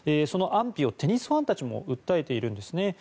その安否を、テニスファンたちも訴えているんですね。